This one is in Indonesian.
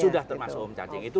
sudah termasuk home charging